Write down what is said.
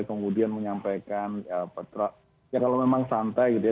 kemudian menyampaikan ya kalau memang santai gitu ya